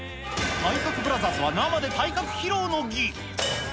体格ブラザーズは生で体格披露の儀。